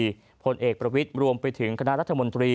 พลเอกเปรยุจจันทร์โอชานายกรัฐมนตรีพลเอกเปรยุจจันทร์โอชานายกรัฐมนตรี